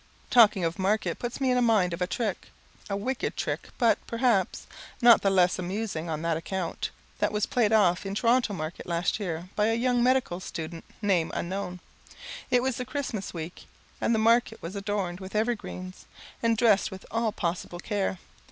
Talking of markets puts me in mind of a trick a wicked trick but, perhaps, not the less amusing on that account, that was played off in Toronto market last year by a young medical student, name unknown. It was the Christmas week, and the market was adorned with evergreens, and dressed with all possible care.